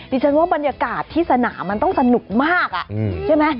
ดิฉันว่าบรรยากาศที่สนามมันต้องสนุกมากใช่ไหม